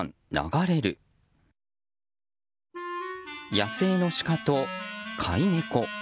野生のシカと飼い猫。